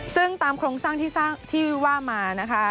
ซึ่งตามโครงสร้างที่ว่ามานะคะ